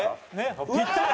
ぴったり！